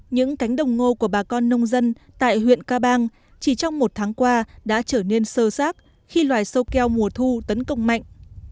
những cánh đồng ngô của bà con nông dân tại huyện ca bang chỉ trong một tháng qua đã trở nên sơ sát khi loài sâu keo mùa thu tấn công mạnh